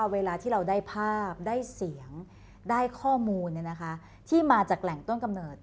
เวลาที่เราได้ภาพได้เสียงได้ข้อมูลที่มาจากแหล่งต้นกำเนิด